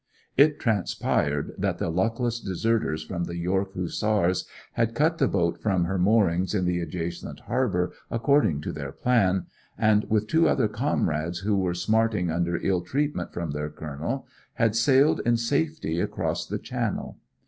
It transpired that the luckless deserters from the York Hussars had cut the boat from her moorings in the adjacent harbour, according to their plan, and, with two other comrades who were smarting under ill treatment from their colonel, had sailed in safety across the Channel.